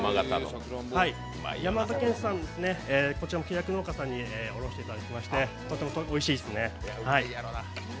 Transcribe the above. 山形県産、こちらも契約農家さんに卸していただきまして、とってもおいしいですね。